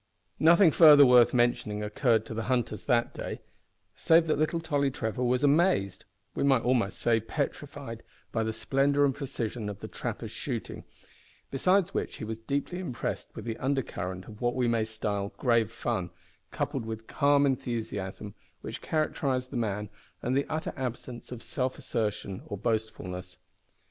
Nothing further worth mentioning occurred to the hunters that day, save that little Tolly Trevor was amazed we might almost say petrified by the splendour and precision of the trapper's shooting, besides which he was deeply impressed with the undercurrent of what we may style grave fun, coupled with calm enthusiasm, which characterised the man, and the utter absence of self assertion or boastfulness.